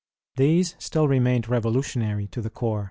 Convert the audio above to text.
These still remained revolutionary to the core.